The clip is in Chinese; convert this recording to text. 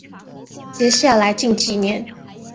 接下来近几年